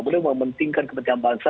beliau mementingkan kepentingan bangsa